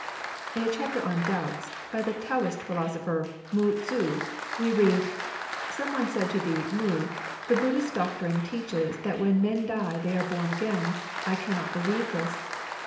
In a chapter on " Doubts," by the Taoist philosopher Mou Tzu, we read, " Some one said to Mou, The Buddhist doctrine teaches that when men die they are bom again. I cannot beUeve this.